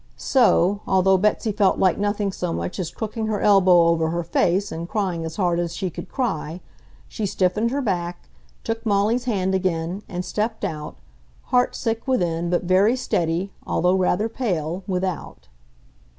So, although Betsy felt like nothing so much as crooking her elbow over her face and crying as hard as she could cry, she stiffened her back, took Molly's hand again, and stepped out, heart sick within but very steady (although rather pale) without.